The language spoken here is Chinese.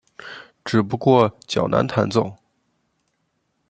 只不过较难弹奏。